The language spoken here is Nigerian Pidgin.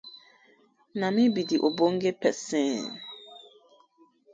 Na mi bi de ogbonge pesin.